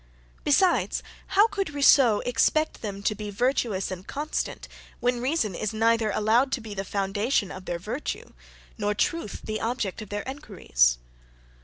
Besides, how could Rousseau expect them to be virtuous and constant when reason is neither allowed to be the foundation of their virtue, nor truth the object of their inquiries?